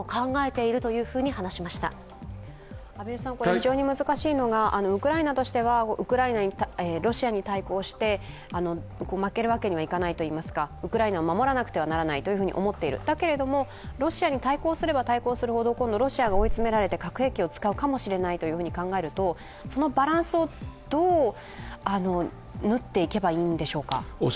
非常に難しいのがウクライナとしては、ロシアに対抗して、負けるわけにはいかないといいますかウクライナを守らなくてはならないと思っている、だけれども、ロシアに対抗すれば対抗するほど、ロシアが追い詰められて、核兵器を使うかもしれないと考えるとそのバランスをどう縫っていけばいいんでしょうか。